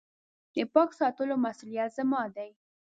د پاک ساتلو مسولیت زما دی .